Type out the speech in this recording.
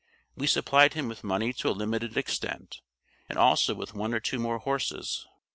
We supplied him with money to a limited extent, and also with one or two more horses.